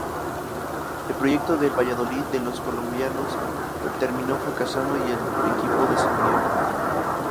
El proyecto del "Valladolid de los colombianos" terminó fracasando y el equipó descendió.